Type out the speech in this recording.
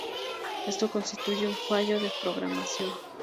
Esto constituye un fallo de programación.